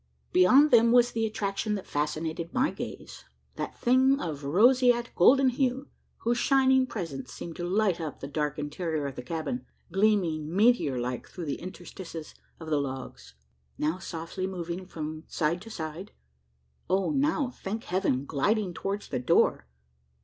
Beyond them was the attraction that fascinated my gaze that thing of roseate golden hue, whose shining presence seemed to light up the dark interior of the cabin gleaming meteor like through the interstices of the logs now softly moving from side to side, and now, thank Heaven! gliding towards the door!